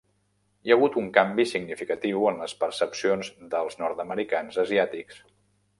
Hi ha hagut un canvi significatiu en les percepcions dels nord-americans asiàtics.